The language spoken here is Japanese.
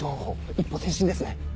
一歩前進ですね。